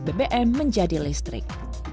bbm menjadi listrik